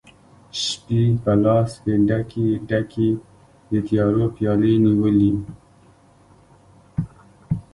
شپي په لاس کې ډکي، ډکي، د تیارو پیالې نیولي